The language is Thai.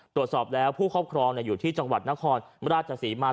ตรวจสอบแล้วผู้ครอบครองอยู่ที่จังหวัดนครราชศรีมา